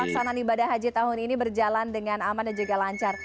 pelaksanaan ibadah haji tahun ini berjalan dengan aman dan juga lancar